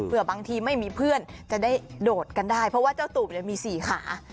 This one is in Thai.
เพื่อบางทีไม่มีเพื่อนจะได้โดดกันได้เพราะว่าเจ้าตูบมี๔ขา